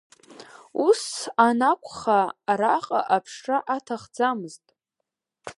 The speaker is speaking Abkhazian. Ус анакәха араҟа аԥшра аҭахӡамызт.